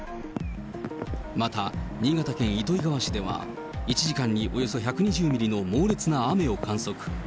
また、新潟県糸魚川市では、１時間におよそ１２０ミリの猛烈な雨を観測。